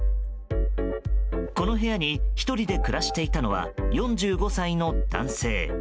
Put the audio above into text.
この部屋に１人で暮らしていたのは４５歳の男性。